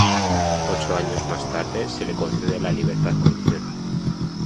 Ocho años más tarde, se le concede la libertad condicional.